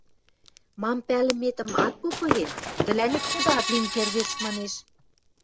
– Мам пӓлӹметӹм ат попы гӹнь, тӹлӓнет худаат лин кердеш... – манеш.